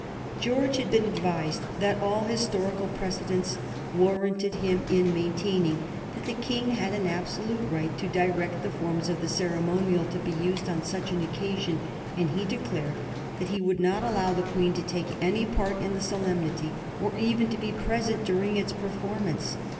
George had been advised that all historical precedents warranted him in maintaining that the King had an absolute right to direct the forms of the ceremonial to be used on such an occasion, and he declared that he would not allow the Queen to take any part in the solemnity or even to be present during its performance.